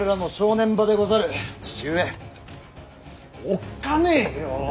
おっかねえよ！